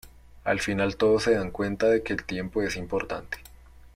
Al final todos se dan cuenta de que el tiempo es importante.